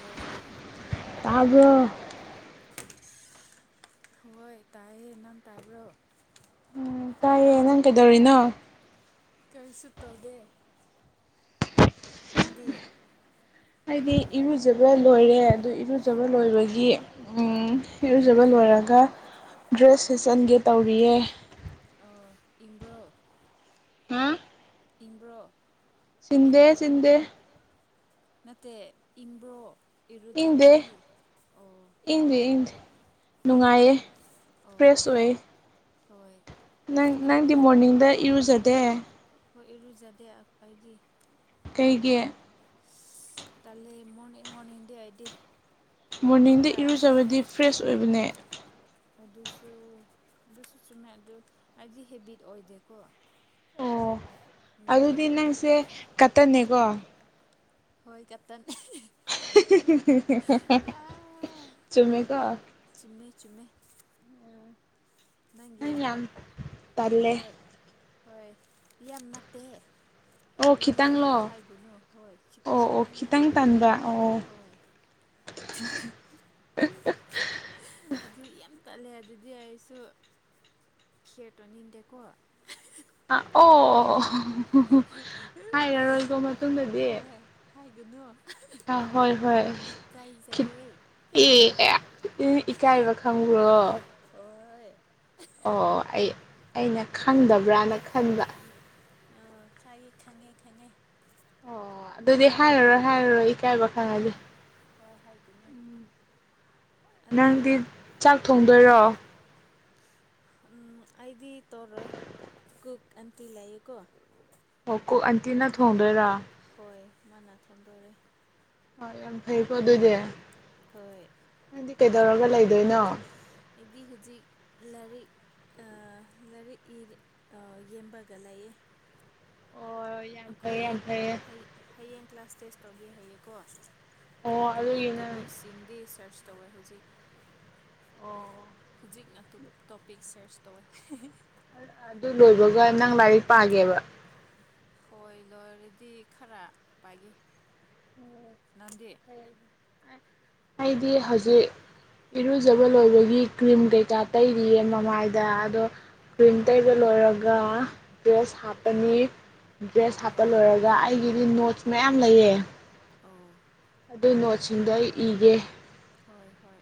Hello ꯇꯥꯕ꯭ꯔꯣ ꯍꯣꯏ ꯇꯥꯏꯌ‌ꯦ ꯅꯪ ꯇꯥꯕ꯭ꯔꯣ ꯎꯝ ꯇꯥꯏꯌꯦ ꯅꯪ ꯀꯩꯗꯧꯔꯤꯅꯣ ꯀꯔꯤꯁꯨ ꯇꯧꯗꯦ ꯅꯪꯗꯤ ꯍꯥꯏꯗꯤ ꯏꯔꯨꯖꯕ ꯂꯣꯏꯔꯦ ꯑꯗꯨ ꯏꯔꯨꯖꯕ ꯂꯣꯏꯕꯒꯤ ꯎꯝ ꯏꯔꯨꯖꯕ ꯂꯣꯏꯔꯒ ꯗ꯭ꯔꯦꯁ ꯁꯦꯠꯆꯟꯒꯦ ꯇꯧꯔꯤꯌꯦ ꯑ ꯏꯪꯕ꯭ꯔꯣ ꯍꯝ ꯏꯪꯕ꯭ꯔꯣ ꯆꯤꯟꯗꯦ ꯆꯤꯟꯗꯦ ꯅꯠꯇꯦ ꯏꯪꯕ꯭ꯔꯣ ꯏꯪꯗꯦ ꯏꯔꯨꯖꯔꯗꯤ ꯑꯣ ꯏꯪꯗꯦ ꯏꯪꯗꯦ ꯅꯨꯡꯉꯥꯏꯌꯦ ꯑꯣ ꯐ꯭ꯔꯦꯁ ꯑꯣꯏ ꯍꯣꯏ ꯅꯪ ꯅꯪꯗꯤ ꯃꯣꯔꯅꯤꯡꯗ ꯏꯔꯨꯖꯗꯦ ꯍꯣꯏ ꯏꯔꯨꯖꯗꯦ ꯑꯩ ꯗꯤ ꯀꯩꯒꯤ ꯇꯜꯂꯦ ꯃꯣꯔꯅꯤꯡ ꯃꯣꯔꯅꯤꯡꯗꯦ ꯑꯩꯗꯤ ꯃꯣꯔꯅꯤꯡꯗ ꯈꯔ ꯏꯔꯨꯖꯕꯗꯤ ꯐ꯭ꯔꯦꯁ ꯑꯣꯏꯕꯅꯦ ꯑꯗꯨꯁꯨ ꯑꯗꯨꯁꯨ ꯆꯨꯝꯃꯦ ꯑꯗꯨ ꯑꯩꯗꯤ ꯍꯦꯕꯤꯠ ꯑꯣꯏꯗꯦꯀꯣ ꯑꯣ ꯑꯗꯨꯅ ꯑꯗꯨꯗꯤ ꯅꯪꯁꯦ ꯀꯠꯇꯟꯅꯦꯀꯣ ꯍꯣꯏ ꯀꯥꯇꯟ ꯆꯨꯃꯦꯀꯣ ꯆꯨꯝꯃꯦ ꯆꯨꯝꯃꯦ ꯅꯪ ꯅꯪꯒꯤꯔꯨ ꯌꯥꯝ ꯇꯜꯂꯦ ꯍꯣꯏ ꯍꯣꯏ ꯌꯥꯝ ꯅꯠꯇꯦ ꯑꯣ ꯍꯥꯏꯒꯨꯅꯨ ꯈꯤꯇꯪꯂꯣ ꯁꯨꯃꯥꯏꯅ ꯍꯥꯏꯒꯨꯅꯨ ꯍꯣꯏ ꯈꯤꯠ ꯑꯣ ꯑꯣ ꯈꯤꯇꯪꯅ ꯈꯤꯇꯪ ꯇꯟꯕ ꯑꯣ ꯍꯣꯏ ꯑꯗꯨ ꯌꯥꯝ ꯇꯠꯂꯦ ꯑꯗꯨꯗꯤ ꯑꯩꯁꯨ ꯈꯤꯔꯇꯧꯅꯤꯡꯗꯦꯀꯣ ꯑꯥ ꯑꯣ ꯍꯥꯏꯔꯔꯣꯏꯒꯣ ꯃꯇꯨꯡꯗꯗꯤ ꯍꯣꯏ ꯍꯥꯏꯒꯅꯨ ꯍꯥ ꯍꯣꯏ ꯍꯣꯏ ꯈꯤꯠ ꯏꯀꯥꯏꯖꯩꯌꯦ ꯑꯦꯛ ꯏ ꯏꯀꯥꯏꯕ ꯈꯪꯕ꯭ꯔꯣ ꯍꯣꯏ ꯑꯣ ꯑꯩ ꯑꯩꯅ ꯈꯪꯗꯕ꯭ꯔꯅ ꯈꯟꯕ ꯑꯣ ꯈꯌꯦ ꯈꯪꯉꯦ ꯈꯪꯉꯦ ꯑꯣ ꯑꯗꯨꯗꯤ ꯍꯥꯏꯔꯔꯣꯏ ꯍꯥꯏꯔꯔꯣꯏ ꯏꯀꯥꯏꯕ ꯈꯪꯉꯗꯤ ꯍꯣꯏ ꯍꯣꯏ ꯍꯥꯏꯒꯅꯨ ꯑꯗꯨ ꯅꯪꯗꯤ ꯆꯥꯛ ꯊꯣꯡꯗꯣꯏꯔꯣ ꯎꯝ ꯑꯥꯏꯗꯤ ꯇꯣꯔꯣꯏ ꯀꯨꯛ ꯑꯟꯇꯤ ꯂꯩꯌꯦꯀꯣ ꯑꯣ ꯀꯨꯛ ꯑꯟꯇꯤꯅ ꯊꯣꯡꯗꯣꯏꯔꯥ ꯍꯣꯏ ꯃꯥꯅ ꯊꯣꯟꯗꯣꯔꯦ ꯍꯣꯏ ꯌꯥꯝ ꯐꯩꯀꯣ ꯑꯗꯨꯗꯤ ꯍꯣꯏ ꯅꯪꯗꯤ ꯀꯩꯗꯧꯔꯒ ꯂꯩꯗꯣꯏꯅꯣ ꯑꯩꯗꯤ ꯍꯨꯖꯤꯛ ꯂꯥꯏꯔꯤꯛ ꯑ ꯂꯥꯏꯔꯤꯛ ꯏꯔꯤ ꯑꯥ ꯌꯦꯝꯕꯒ ꯂꯩꯌꯦ ꯑꯣ ꯌꯥꯝ ꯑꯩꯈꯣꯏ ꯐꯩꯌꯦ ꯌꯥꯝ ꯐꯩꯌꯦ ꯍꯩ ꯍꯌꯦꯡ ꯀ꯭ꯂꯥꯁ ꯇꯦꯁ ꯇꯧꯒꯦ ꯍꯥꯏꯌꯦꯀꯣ ꯑꯣ ꯑꯗꯨꯒꯤ ꯅꯪ ꯇꯣꯄꯤꯛꯁꯤꯡꯗꯤ ꯁꯔꯁ ꯇꯧꯋꯦ ꯍꯧꯖꯤꯛ ꯑꯣ ꯍꯧꯖꯤꯛꯅ ꯇꯨ ꯇꯣꯄꯤꯛ ꯁꯔꯁ ꯇꯧꯋꯦ ꯑꯗꯨ ꯂꯣꯏꯕꯒ ꯅꯪ ꯂꯥꯏꯔꯤꯛ ꯄꯥꯒꯦꯕ ꯈꯣꯏ ꯂꯣꯏꯔꯗꯤ ꯈꯔ ꯄꯥꯏꯒꯦ ꯅꯪꯗꯤ [unintelligible] ꯑꯩꯗꯤ ꯍꯧꯖꯤꯛ ꯏꯔꯨꯖꯕ ꯂꯣꯏꯕꯒꯤ ꯀ꯭ꯔꯤꯝ ꯀꯩꯀꯥ ꯇꯩꯔꯤꯌꯦ ꯃꯃꯥꯏꯗ ꯑꯗꯣ ꯀ꯭ꯔꯤꯝ ꯇꯩꯕ ꯂꯣꯏꯔꯒ ꯗ꯭ꯔꯦꯁ ꯍꯥꯞꯄꯅꯤ ꯗ꯭ꯔꯦꯁ ꯍꯥꯞꯄ ꯍꯣꯏ ꯂꯣꯏꯔꯒ ꯑꯩꯒꯤꯗꯤ ꯅꯣꯠꯁ ꯃꯌꯥꯝ ꯂꯩꯌꯦ ꯑꯣ ꯑꯗꯨꯏ ꯅꯣꯠꯁꯤꯡꯗꯣ ꯑꯩ ꯏꯒꯦ ꯍꯣꯏ ꯍꯣꯏ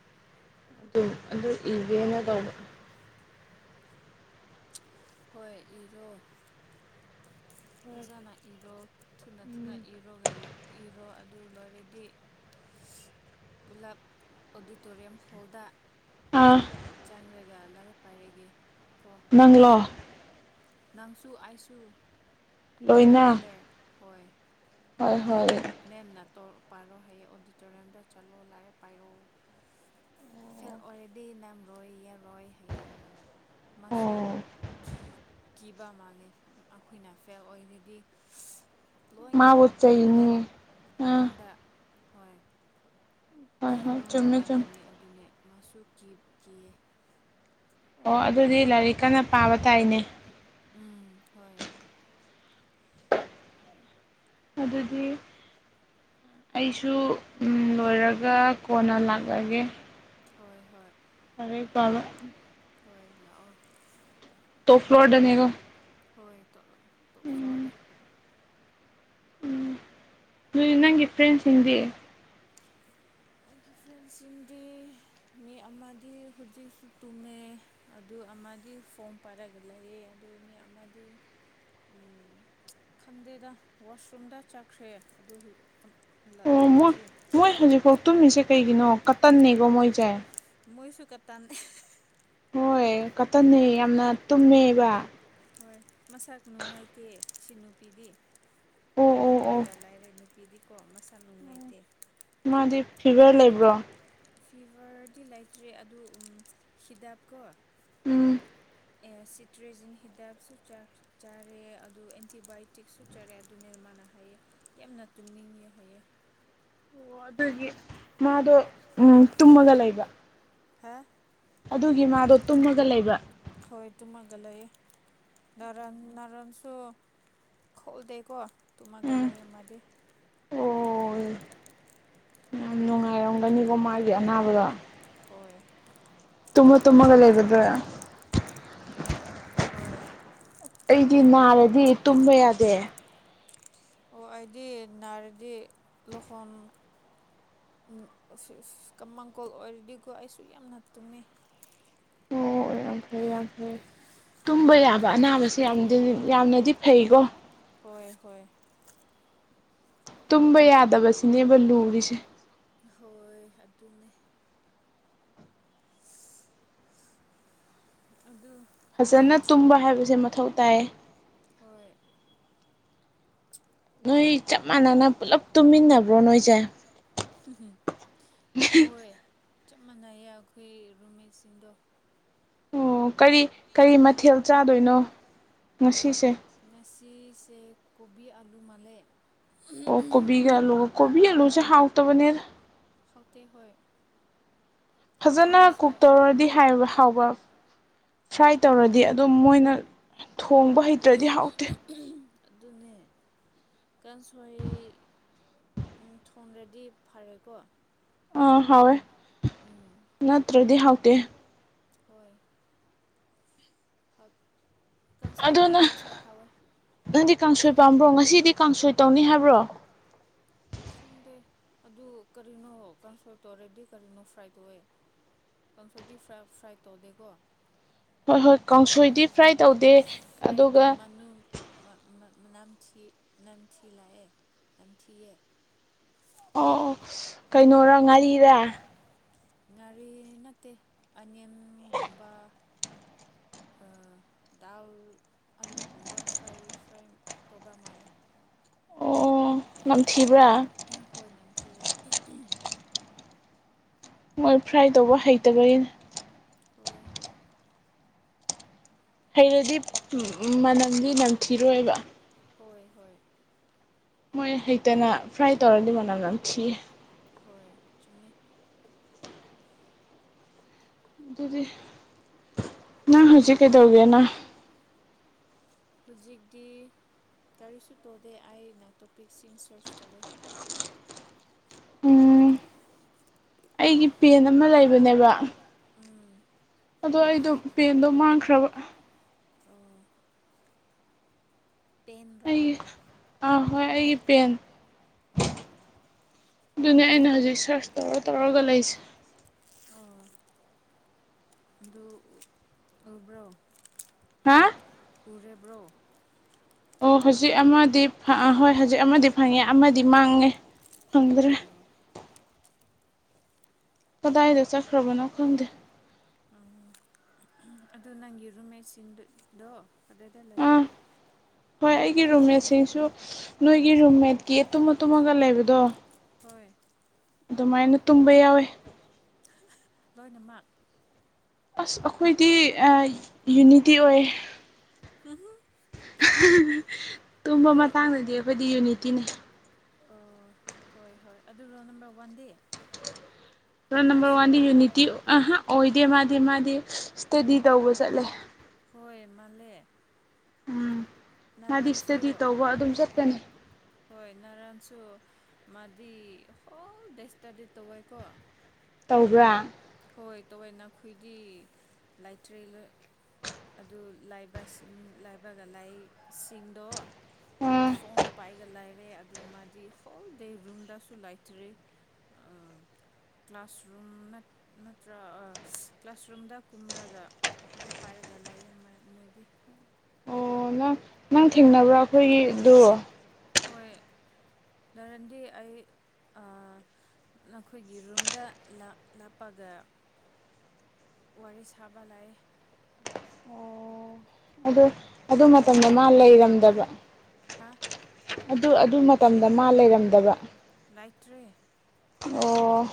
ꯎꯝ ꯑꯗꯨ ꯏꯒꯦꯍꯥꯏꯔꯣ ꯍꯣꯏ ꯏꯔꯣ ꯐ ꯖꯥꯟꯅ ꯏꯔꯣ ꯊꯨꯅ ꯊꯨꯅ ꯏꯔꯣ ꯑꯗꯨꯒ ꯏꯔꯣ ꯑꯗꯨ ꯂꯣꯏꯔꯗꯤ ꯄꯨꯂꯞ ꯑꯣꯗꯤꯇꯣꯔꯤꯌꯝ ꯍꯣꯜꯗ ꯑꯥ ꯥꯆꯛ ꯆꯪꯉꯥꯒ ꯑꯃꯔꯛ ꯄꯥꯏꯔꯒꯦꯀꯣ ꯅꯡꯂꯣ ꯅꯪꯁꯨ ꯑꯩꯁꯨ ꯂꯣꯏꯅ ꯇꯨꯒꯦꯗꯔ ꯍꯣꯏ ꯍꯣꯏ ꯂꯣꯏꯅ ꯍꯣꯏ ꯃꯦꯝꯅ ꯇꯣꯔꯣꯄꯥꯏꯔꯣ ꯍꯥꯏꯌꯦ ꯑꯣꯗꯤꯇꯣꯔꯤꯌꯝꯗ ꯆꯠꯂꯣ ꯂꯥꯏꯔꯤꯛ ꯄꯥꯏꯔꯛꯑꯣ ꯐꯦꯜ ꯑꯣꯜꯔꯗꯤ ꯃꯦꯝ ꯔꯣꯏꯌꯦꯔꯣꯏ ꯍꯥꯏꯌꯦꯃꯥꯅ ꯃꯁꯨꯨ ꯑꯣ ꯀꯤ ꯀꯤꯕ ꯃꯥꯜꯂꯦ ꯑꯩꯈꯣꯏꯅ ꯐꯦꯜ ꯑꯣꯏꯔꯤ ꯗꯤ ꯃꯥꯕꯨ ꯂꯣꯏꯅꯃꯛ ꯕ꯭ꯂꯦꯝꯗꯣ ꯆꯩꯅꯤ ꯑꯥ ꯃꯉꯣꯟꯗ ꯍꯣꯏ ꯍꯣꯏ ꯍꯣꯏ ꯃꯉꯣꯟꯗ ꯆꯨꯝꯃꯦ ꯆꯨꯝꯃꯦ ꯂꯥꯛꯀꯅꯤ ꯑꯗꯨꯅꯦ ꯃꯥꯁꯨ ꯀꯤꯀꯤꯌꯦ ꯑꯣ ꯑꯗꯨꯗꯤ ꯂꯥꯏꯔꯤꯛ ꯀꯟꯅ ꯄꯥꯕ ꯇꯥꯏꯅꯦ ꯎꯝ ꯍꯣꯏ ꯑꯗꯨꯗꯤ ꯑꯩꯁꯨ ꯂꯣꯏꯔꯒ ꯀꯣꯟꯅ ꯂꯥꯛꯂꯒꯦ ꯍꯣꯏ ꯍꯣꯏ ꯂꯥꯏꯔꯤꯛ ꯄꯥꯔꯣ ꯍꯣꯏ ꯂꯥꯛꯑꯣ ꯇꯣꯞ ꯐ꯭ꯂꯣꯔ ꯗꯅꯦꯀꯣ ꯍꯣꯏ ꯇꯣꯞꯇꯣꯞ ꯐ꯭ꯂꯣꯔ ꯗꯦ ꯎꯏ ꯅꯪꯒꯤ ꯐ꯭ꯔꯦꯟꯁꯤꯡꯗꯤ ꯑꯩꯒꯤ ꯐ꯭ꯔꯦꯟꯁꯤꯡꯗꯤ ꯃꯤ ꯑꯃꯗꯤ ꯍꯧꯖꯤꯛꯁꯨ ꯇꯨꯝꯃꯦ ꯑꯗꯨ ꯑꯃꯗꯤ ꯐꯣꯝ ꯄꯥꯏꯔꯒ ꯂꯩꯌꯦ ꯑꯗꯨꯅꯦ ꯑꯃꯗꯤ ꯈꯟꯗꯦꯗ ꯋꯥꯁꯔꯨꯝꯗ ꯆꯠꯈ꯭ꯔꯦ ꯑꯗꯨ ꯑꯣ ꯃꯣꯏ ꯂꯛꯂꯛꯇ꯭ꯔꯤ ꯃꯣꯏ ꯍꯧꯖꯤꯛꯐꯥꯎ ꯇꯨꯝꯃꯤꯁꯦ ꯀꯩꯒꯤꯅꯣ ꯀꯇꯟꯅꯦꯀꯣ ꯃꯣꯏꯁꯦ ꯃꯣꯏꯁꯨ ꯀꯇꯥꯟ ꯍꯣꯏ ꯀꯇꯟꯅꯦ ꯌꯥꯝꯅ ꯎꯝ ꯇꯨꯝꯃꯦꯕ ꯍꯣꯏ ꯃꯁꯥ ꯅꯨꯡꯉꯥꯏꯇꯦ ꯁꯤ ꯅꯨꯄꯤꯗꯤ ꯑꯣ ꯑꯣ ꯑꯣ ꯇꯨꯝꯃꯒꯥ ꯂꯥꯏꯔꯦꯅꯦ ꯄꯤꯔꯤꯀꯣ ꯃꯁꯥ ꯅꯨꯡꯉꯥꯏꯇꯦ ꯃꯥꯗꯤ ꯐꯤꯚꯔ ꯂꯩꯕ꯭ꯔꯣ ꯐꯤꯕꯔꯗꯤ ꯂꯩꯇ꯭ꯔꯤ ꯑꯗꯨ ꯍꯤꯗꯛꯀꯣ ꯎꯝ ꯁꯤꯇ꯭ꯔꯦꯖꯤꯟ ꯍꯤꯗꯛꯁꯨ ꯆꯥꯛ ꯆꯥꯔꯦ ꯑꯗꯨ ꯑꯦꯟꯇꯤꯕꯥꯏꯌꯣꯇꯤꯛꯁꯨ ꯆꯥꯔꯦ ꯑꯗꯨꯅꯦ ꯃꯥꯅ ꯍꯥꯏꯌꯦ ꯌꯥꯝꯅ ꯇꯨꯝꯅꯤꯡꯉꯦ ꯍꯥꯏꯌꯦ ꯑꯣ ꯑꯗꯨꯒꯤ ꯃꯥꯗꯣ ꯎꯝ ꯇꯨꯝꯃꯒ ꯂꯩꯕ ꯍꯥꯥ ꯑꯗꯨꯒꯤ ꯃꯥꯗꯣ ꯇꯨꯝꯃꯒ ꯂꯩꯕ ꯍꯣꯏ ꯇꯨꯝꯃꯒꯂꯩꯌꯦ ꯅꯔꯟ ꯅꯔꯟꯁꯨ ꯈꯣꯎꯗꯦꯀꯣ ꯇꯨꯝꯃꯒ ꯎꯝ ꯂꯩꯑ ꯃꯥꯗꯤ ꯑꯣ ꯉꯥꯏꯔꯣꯡꯒꯅꯤꯀꯣ ꯃꯥꯒꯤ ꯑꯅꯥꯕꯗ ꯍꯣꯏ ꯇꯨꯝꯃ ꯇꯨꯝꯃꯒ ꯂꯩ ꯂꯩꯒꯗ꯭ꯔ ꯍꯣꯏ ꯑꯩꯗꯤ ꯅꯥꯔꯗꯤ ꯇꯨꯝꯕ ꯌꯥꯗꯦ꯫ ꯑꯣ ꯑꯩꯗꯤ ꯅꯥꯔꯗꯤ ꯂꯣꯍꯣꯟ [unintelligible] ꯀꯃꯡꯀꯣꯜ ꯑꯣꯏꯔꯗꯤꯀꯣ ꯑꯩꯁꯨ ꯌꯥꯝꯅ ꯇꯨꯝꯃꯦ꯫ ꯑꯣ ꯌꯥꯝ ꯐꯩ ꯌꯥꯝ ꯐꯩ꯫ ꯇꯨꯝꯕ ꯎꯝ ꯌꯥꯕ ꯑꯅꯥꯕꯁꯦ ꯌꯥꯝꯗꯤ ꯌꯥꯝꯅꯗꯤ ꯐꯩꯀꯣ꯫ ꯍꯣꯏ ꯍꯣꯏ ꯇꯨꯝꯕ ꯌꯥꯗꯕꯁꯤꯅꯦꯕ ꯂꯨꯔꯤꯁꯦ꯫ ꯍꯣꯏ ꯑꯗꯨꯅꯦ꯫ ꯑꯗꯨ ꯐꯖꯅ ꯇꯨꯝꯕ ꯍꯥꯏꯕꯁꯦ ꯃꯊꯧ ꯇꯥꯏ꯫ ꯍꯣꯏ ꯅꯣꯏ ꯆꯞ ꯃꯥꯟꯅꯅ ꯄꯨꯜꯂꯞ ꯇꯨꯃꯤꯟꯅꯕ꯭ꯔꯣ ꯅꯣꯏꯖꯦ꯫ ꯎꯝ ꯍꯣꯏ ꯆꯞ ꯃꯥꯟꯅꯩꯌꯦ ꯑꯈꯣꯏ ꯔꯨꯝꯃꯦꯠꯁꯤꯡꯗꯣ꯫ ꯑꯣ ꯀꯔꯤ ꯀꯔꯤ ꯃꯊꯦꯜ ꯆꯥꯗꯣꯏꯅꯣ ꯉꯁꯤꯁꯦ꯫ ꯉꯁꯤꯁꯦ ꯀꯣꯕꯤ ꯑꯂꯨ ꯃꯥꯜꯂꯦ꯫ ꯑꯣ ꯀꯣꯕꯤꯒ ꯑꯂꯨꯒ ꯀꯣꯕꯤ ꯑꯂꯨꯁꯦ ꯍꯥꯎꯇꯕꯅꯦꯗ꯫ ꯈꯥꯎꯇꯦ ꯍꯣꯏ ꯐꯖꯅ ꯀꯨꯛ ꯀꯥꯡꯁꯣꯏ ꯇꯧꯔꯗꯤ ꯍꯥꯏꯕ ꯍꯥꯎꯕ꯫ ꯐ꯭ꯔꯥꯏ ꯑꯣ ꯇꯧꯔꯗꯤ ꯑꯗꯨꯝ ꯃꯣꯏꯅ ꯊꯣꯡꯕ ꯍꯩꯇ꯭ꯔꯗꯤ ꯍꯥꯎꯇꯦ꯫ ꯑꯗꯨꯅꯦ ꯀꯥꯡꯁꯣꯏ ꯎꯝ ꯊꯣꯡꯗ꯭ꯔꯗꯤ ꯐꯔꯦꯀꯣ꯫ ꯑꯥ ꯍꯥꯎꯏ ꯎꯝ ꯅꯠꯇ꯭ꯔꯗꯤ ꯍꯥꯎꯇꯦ꯫ ꯍꯣꯏ [inaudible] ꯀꯥꯡꯁꯣꯏ ꯑꯗꯣ ꯑꯩꯗꯤ ꯅꯪ ꯀꯥꯡꯁꯣꯏ ꯍꯥꯎꯋꯦ ꯅꯪꯗꯤ ꯀꯥꯡꯁꯣꯏ ꯄꯥꯝꯕ꯭ꯔꯣ ꯉꯁꯤꯗꯤ ꯀꯥꯡꯁꯣꯏ ꯇꯧꯅꯤ ꯍꯥꯏꯕ꯭ꯔꯣ꯫ ꯈꯪꯗꯦ ꯑꯗꯨ ꯀꯔꯤꯅꯣ ꯀꯥꯡꯁꯣꯏ ꯇꯧꯔꯦꯗꯤ ꯀꯔꯤꯅꯣ ꯐ꯭ꯔꯥꯏ ꯇꯧꯋꯦ꯫ ꯀꯥꯡꯁꯣꯏꯗꯤ ꯐꯔ ꯐ꯭ꯔꯥꯠ ꯇꯧꯗꯦꯀꯣ꯫ ꯍꯣꯏ ꯍꯣꯏ ꯀꯥꯡꯁꯣꯏꯗꯤ ꯐ꯭ꯔꯥꯏ ꯇꯧꯗꯦ ꯐ꯭ꯔꯥꯏꯒꯤ ꯑꯗꯨꯒ ꯃꯅꯨꯡ꯫ ꯃ ꯃ ꯅꯛꯇꯒꯤ ꯅꯝꯊꯤ ꯂꯛꯑꯦ ꯅꯝꯊꯤꯌꯦ꯫ [inaudible] ꯑꯣ ꯑꯣ ꯀꯩꯅꯣꯔ ꯉꯥꯔꯤꯔ꯫ ꯉꯥꯔꯤ ꯅꯠꯇꯦ ꯑꯅꯤꯟꯒꯨꯝꯕ꯫ ꯗꯥꯜ ꯑꯂꯨ ꯒꯨꯝꯕ ꯐ꯭ꯔꯥꯏ ꯐ꯭ꯔꯥꯏ ꯇꯣꯕ ꯃꯂꯦ꯫ ꯑꯣ ꯅꯝꯊꯤꯕ꯭ꯔꯥ ꯎꯝ ꯍꯣꯏ ꯅꯝꯊꯤꯌꯦ꯫ ꯃꯣꯏ ꯐ꯭ꯔꯥꯏ ꯇꯧꯕ ꯍꯩꯇꯕꯅꯤ꯫ ꯍꯣꯏ ꯍꯩꯔꯗꯤ ꯃꯅꯝꯗꯤ ꯅꯝꯊꯤꯔꯣꯏꯕ꯫ ꯍꯣꯏ ꯍꯣꯏ ꯃꯣꯏ ꯍꯩꯇꯅ ꯐ꯭ꯔꯥꯏ ꯇꯧꯔꯗꯤ ꯃꯅꯝ ꯅꯝꯊꯤꯌꯦ꯫ ꯈꯣꯏ ꯆꯨꯝꯃꯤ ꯑꯗꯨꯗꯤ ꯅꯪ ꯍꯧꯖꯤꯛ ꯀꯩꯗꯧꯒꯦꯅ ꯍꯧꯖꯤꯛꯇꯤ ꯀꯔꯤꯁꯨ ꯇꯧꯗꯦ ꯑꯩꯅ ꯇꯣꯄꯤꯛꯁꯤꯡ ꯁꯔꯁ ꯇꯧꯋꯦ꯫ ꯑꯩ ꯄꯦꯟ ꯑꯃ ꯂꯩꯕꯅꯦꯕ ꯎꯝ ꯑꯗꯣ ꯑꯩꯗꯣ ꯄꯦꯟꯗꯣ ꯃꯥꯡꯈ꯭ꯔꯕ꯫ ꯑꯣ ꯄꯦꯟꯔꯥ ꯑꯩꯒꯤ ꯑꯥ ꯍꯣꯏ ꯑꯩꯒꯤ ꯄꯦꯟ꯫ ꯑꯣ ꯑꯣ ꯑꯗꯨꯅꯦ ꯑꯩꯅ ꯍꯧꯖꯤꯛ ꯁꯔꯁ ꯇꯧꯔ ꯇꯧꯔꯒ ꯂꯩꯁꯦ꯫ ꯑꯣ ꯑꯗꯨ ꯇꯧꯕ꯭ꯔꯣ ꯍꯥ ꯎꯔꯕ꯭ꯔꯣ ꯑꯣ ꯍꯧꯖꯤꯛ ꯑꯃꯗꯤ ꯍꯣꯏ ꯍꯧꯖꯤꯛ ꯑꯃꯗꯤ ꯐꯪꯉꯦ ꯑꯃꯗꯤ ꯃꯥꯡꯉꯦ ꯐꯪꯗ꯭ꯔꯦ ꯑꯣ ꯀꯗꯥꯏꯗ ꯆꯠꯈ꯭ꯔꯕꯅꯣ ꯈꯪꯗꯦ ꯎꯝ ꯑꯗꯨ ꯅꯪꯒꯤ ꯔꯨꯝꯃꯦꯠꯁꯤꯡꯗꯣ ꯑꯗꯨꯗ ꯑꯥ ꯂꯩꯌꯦ ꯍꯣꯏ ꯑꯩꯒꯤ ꯔꯨꯝꯃꯦꯠꯁꯤꯡꯁꯨ ꯅꯣꯏꯒꯤ ꯔꯨꯝꯃꯦꯠꯀꯤ ꯇꯨꯝ ꯇꯨꯝꯃꯒ ꯂꯩꯕꯗꯣ ꯍꯣꯏ ꯑꯗꯨꯃꯥꯏꯅ ꯇꯨꯝꯕ ꯌꯥꯎꯋꯦ ꯂꯣꯏꯅꯃꯛ ꯑꯁ ꯑꯈꯣꯏꯗꯤ ꯑꯥ ꯌꯨꯅꯤꯇꯤ ꯑꯣꯏ ꯇꯨꯝꯕ ꯑꯗꯨ ꯃꯇꯥꯡꯗꯗꯤ ꯑꯩꯈꯣꯏꯗꯤ ꯌꯨꯅꯤꯇꯤꯅꯦ ꯑꯣ ꯍꯣꯏ ꯍꯣꯏ ꯑꯗꯨ ꯔꯣ ꯅꯝꯕꯔ ꯋꯥꯟꯗꯤ ꯑꯗꯨ ꯅꯝꯕꯔ ꯋꯥꯟꯗꯤ ꯃꯥꯁꯨꯔꯥ ꯌꯨꯅꯤꯇꯤ ꯑꯍ ꯑꯣꯏꯗꯦ ꯃꯥꯗꯤ ꯃꯥꯗꯤ ꯏꯁꯇꯗꯤ ꯇꯧꯕ ꯆꯠꯂꯦ ꯍꯣꯏ ꯃꯥꯂꯦ ꯎꯝ ꯃꯥꯗꯤ ꯏꯁꯇꯗꯤ ꯇꯧꯕ ꯑꯗꯨꯝ ꯆꯠꯀꯅꯤ ꯍꯣꯏ ꯅꯔꯥꯟꯁꯨ ꯃꯥꯗꯤ ꯍꯣ ꯗꯦ ꯁꯇꯥꯗꯤ ꯇꯧꯏꯀꯣ ꯇꯧꯕ꯭ꯔꯥ ꯍꯣꯏ ꯇꯧꯋꯦ ꯅꯈꯣꯏꯗꯤ ꯂꯥꯏꯇ꯭ꯔꯦ ꯑꯗꯨ ꯂꯥꯏꯕꯁꯤꯡ ꯂꯥꯏꯕꯒ ꯂꯥꯏꯁꯤꯡꯗꯣ ꯑꯥ ꯐꯣꯝ ꯄꯥꯏꯒ ꯂꯥꯏꯔꯦ ꯑꯗꯨ ꯃꯥꯗꯤ ꯍꯣꯜ ꯗꯦ ꯔꯨꯝꯗꯁꯨ ꯂꯩꯇ꯭ꯔꯤ ꯀ꯭ꯂꯥꯁꯔꯨꯝ ꯅꯠꯇ ꯅꯠꯇ꯭ꯔ ꯀ꯭ꯂꯥꯁꯔꯨꯝꯗ ꯀꯨꯝꯔꯒ ꯈꯔꯦ ꯄꯥꯏꯔꯒ ꯂꯩꯌꯦ ꯃꯥꯏ ꯃꯣꯏꯗꯤ ꯑꯣ ꯅ ꯅꯪ ꯊꯦꯡꯅꯕ꯭ꯔꯥ ꯑꯩꯈꯣꯏꯒꯤꯗꯨ ꯍꯣꯏ ꯔꯦꯟꯗꯤ ꯑꯩ ꯑꯥ ꯅꯈꯣꯏꯒꯤ ꯔꯨꯝꯗ ꯂꯥꯛꯄꯒ ꯋꯥꯔꯤ ꯁꯥꯕ ꯂꯩꯥꯏ ꯑꯣ ꯑꯗꯣ ꯑꯗꯣ ꯃꯇꯝꯗ ꯃꯥꯒꯤ ꯃꯥ ꯅꯦꯕꯔꯕꯨ ꯂꯩꯔꯝꯗꯕ ꯍꯥ ꯑꯗꯨ ꯑꯗꯨ ꯃꯇꯝꯗ ꯃꯥ ꯂꯩꯔꯝꯗꯕ ꯂꯩꯇ꯭ꯔꯤ ꯑꯣ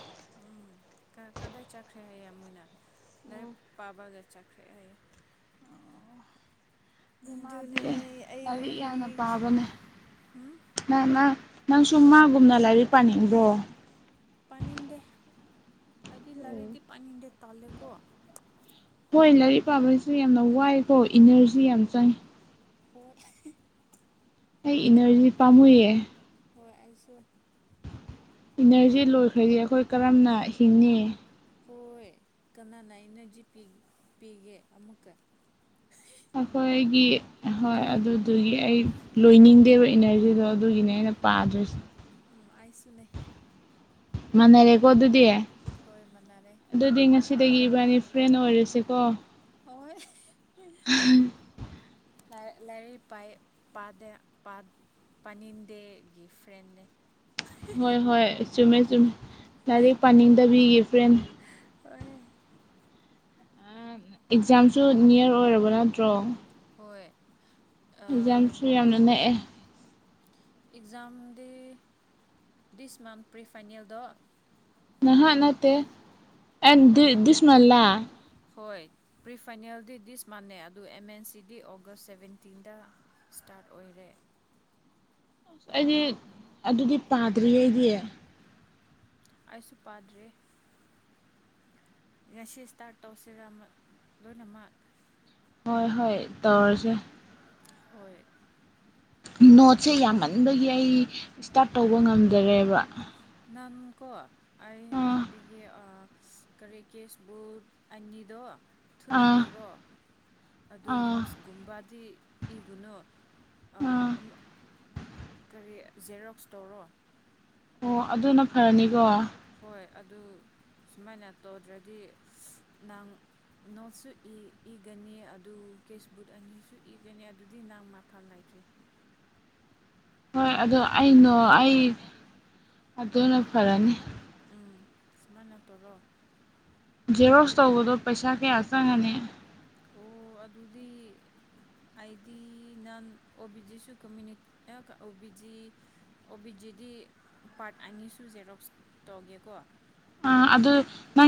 ꯎꯝ ꯀꯗꯥꯏ ꯆꯠꯈ꯭ꯔꯦ ꯍꯥꯏꯌꯦꯦ ꯃꯣꯏꯅ ꯂꯥꯏꯔꯤꯛ ꯄꯥꯕꯒ ꯆꯠꯈ꯭ꯔꯦ ꯍꯥꯏꯌꯦ ꯑꯗꯨ ꯃꯥꯗꯤ ꯑꯗꯨꯅꯦ ꯂꯥꯏꯔꯤꯛ ꯌꯥꯝꯅ ꯑꯩ ꯄꯥꯕꯅꯦ ꯎꯝ ꯅ ꯅꯪ ꯃꯥ ꯅꯪꯁꯨ ꯃꯥꯒꯨꯝꯅ ꯂꯥꯏꯔꯤꯛ ꯄꯥꯅꯤꯡꯕ꯭ꯔꯣ ꯄꯅꯤꯟꯗꯦ ꯑꯗꯤ ꯂꯔꯨꯏꯗꯤ ꯄꯅꯤꯗꯦ ꯇꯂꯦꯀꯣ ꯍꯣꯏ ꯂꯥꯏꯔꯤꯛ ꯄꯥꯕꯁꯨ ꯌꯥꯝꯅ ꯋꯥꯏꯀꯣ ꯏꯅꯔꯖꯤ ꯌꯥꯝ ꯆꯪꯉꯤ ꯍꯣꯢ ꯑꯩ ꯏꯅꯔꯖꯤ ꯄꯥꯝꯃꯨꯏꯌꯦ ꯍꯣꯏ ꯑꯩꯁꯨ ꯏꯅꯔꯖꯤ ꯂꯣꯏꯈ꯭ꯔꯗꯤ ꯑꯩꯈꯣꯏ ꯀꯔꯝꯅ ꯍꯤꯡꯅꯤ ꯍꯣꯏ ꯀꯅꯥꯅ ꯏꯅꯔꯖꯤ ꯄꯤꯒꯦ ꯑꯃꯨꯛꯀ ꯑꯈꯣꯏꯒꯤ ꯍꯣꯏ ꯑꯗꯨꯗꯨꯒꯤ ꯑꯩ ꯂꯣꯏꯅꯤꯡꯗꯦꯕ ꯏꯅꯔꯖꯤꯗꯣ ꯑꯗꯨꯒꯤꯅꯦ ꯑꯩꯅ ꯄꯥꯗ꯭ꯔꯤꯁꯦ ꯎꯝ ꯑꯥꯏꯁꯨꯅꯦ ꯃꯅꯔꯦ ꯀꯣ ꯑꯗꯨꯗꯤ ꯍꯣꯏ ꯃꯅꯥꯔꯦ ꯑꯗꯨꯗꯤ ꯉꯁꯤꯗꯒꯤ ꯏꯕꯥꯅꯤ ꯐ꯭ꯔꯦꯟ ꯑꯣꯏꯔꯁꯦꯀꯣ ꯍꯣꯏ ꯂꯥꯏꯔꯤꯛ ꯄꯥꯏ ꯄꯗꯦ ꯄꯥꯅꯤꯡꯗꯦꯒꯤ ꯐ꯭ꯔꯦꯟꯅꯦ ꯍꯣꯏ ꯍꯣꯏ ꯆꯨꯝꯃꯦ ꯆꯨꯝꯃꯦ ꯂꯥꯏꯔꯤꯛ ꯄꯥꯅꯤꯡꯗꯕꯤꯒꯤ ꯐ꯭ꯔꯦꯟ ꯍꫭꯏꯍꯦ ꯑꯦꯛꯖꯥꯝꯁꯨ ꯅꯤꯌꯔ ꯑꯣꯏꯔꯕ ꯅꯠꯇ꯭ꯔꯣ ꯍꯣꯏ ꯑꯦꯛꯖꯥꯝꯁꯨ ꯌꯥꯝꯅ ꯅꯛꯑꯦ ꯑꯦꯛꯖꯥꯝꯗꯤ ꯗꯤꯁ ꯃꯥꯟꯊ ꯄ꯭ꯔꯤꯐꯥꯏꯅꯦꯜꯗꯣ ꯅꯍꯥꯛ ꯅꯠꯇꯦ ꯑꯦ ꯗꯤꯁꯃꯜꯂ ꯍꯣꯏ ꯄ꯭ꯔꯤ ꯐꯥꯏꯅꯦꯜꯗꯤ ꯗꯤꯁ ꯃꯥꯟꯅꯩ ꯑꯗꯨ ꯑꯦꯝ ꯑꯦꯟ ꯁꯤꯗꯤ ꯑꯣꯒꯁ ꯁꯚꯦꯟꯇꯤꯟꯗ ꯁꯇꯥꯔꯠ ꯑꯣꯏꯔꯦ ꯑꯁ ꯑꯩꯗꯤ ꯑꯗꯨꯗꯤ ꯄꯥꯗ꯭ꯔꯤ ꯑꯩꯗꯤ ꯑꯩꯁꯨ ꯄꯥꯗ꯭ꯔꯤ ꯉꯁꯤ ꯁꯇꯥꯔꯠ ꯇꯧꯁꯤꯔꯥ ꯂꯣꯏꯅꯃꯛ ꯍꯣꯏ ꯍꯣꯏ ꯇꯧꯔꯁꯦ ꯍꯣꯏ ꯅꯣꯠꯁꯦ ꯌꯥꯝꯃꯟꯕꯒꯤ ꯑꯩ ꯏꯁꯇꯥꯔꯠ ꯇꯧꯕ ꯉꯝꯗꯔꯦꯕ ꯅꯝꯀꯣ ꯑꯩ ꯑꯥ ꯍꯥꯏꯕꯤꯒꯦ ꯀꯔꯤ ꯀꯦꯁꯕꯨ ꯑꯅꯤꯗꯣ ꯊꯨꯅ ꯑꯥ ꯏꯔꯣ ꯑꯗꯨ ꯑꯥ ꯅꯣꯠꯁ ꯒꯨꯝꯕꯥꯗꯤ ꯏꯒꯅꯨ ꯑꯥ ꯀꯔꯤ ꯖꯦꯔꯣꯛꯁ ꯇꯧꯔꯣ ꯑꯣ ꯑꯗꯨꯅ ꯐꯔꯅꯤꯀꯣ ꯍꯣꯏ ꯑꯗꯨ ꯁꯨꯃꯥꯏꯅ ꯇꯧꯗ꯭ꯔꯗꯤ ꯅꯪ ꯅꯣꯠꯁꯨ ꯏꯒꯅꯤ ꯑꯗꯨ ꯀꯦꯁꯕꯨꯛ ꯑꯅꯤꯁꯨ ꯏꯒꯅꯤ ꯑꯗꯨꯗꯤ ꯅꯪ ꯃꯥꯐꯝ ꯂꯩꯇ꯭ꯔꯦ ꯍꯣꯏ ꯑꯗꯨ ꯑꯩꯩꯅꫭ ꯑꯩ ꯌꯥꯔꯣꯏ ꯑꯗꯨꯅ ꯐꯔꯅꯤ ꯎꯝ ꯁꯨꯃꯥꯏꯅ ꯇꯧꯔꯣ ꯖꯦꯔꯣꯛꯁ ꯇꯧꯕꯗꯣ ꯄꯩꯁꯥ ꯀꯌꯥ ꯆꯪꯉꯅꯤ ꯑꯣ ꯑꯗꯨꯗꯤ ꯍꯥꯏꯗꯤ ꯅꯟ ꯑꯣ ꯕꯤ ꯖꯤꯁꯨ ꯀꯃꯨꯅꯤ ꯑꯣ ꯕꯤ ꯖꯤ ꯑꯣꯕꯤꯖꯤꯗꯤ ꯄꯥꯔꯠ ꯑꯅꯤ ꯁꯨ ꯖꯦꯔꯣꯛꯁ ꯇꯧꯒꯦꯀꯣ ꯑ ꯑꯗꯨ